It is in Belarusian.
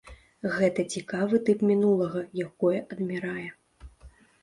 Гэта цікавы тып мінулага, якое адмірае.